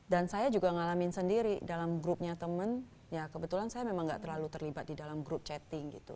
dan saya juga ngalamin sendiri dalam grupnya temen ya kebetulan saya memang gak terlalu terlibat di dalam grup chatting gitu